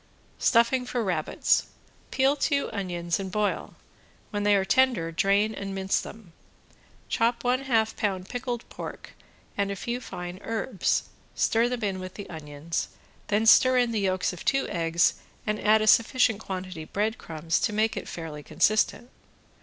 ~STUFFING FOR RABBITS~ Peel two onions and boil, when they are tender drain and mince them. Chop one half pound pickled pork and few fine herbs, stir them in with the onions, then stir in the yolks of two eggs and add a sufficient quantity breadcrumbs to make it fairly consistent.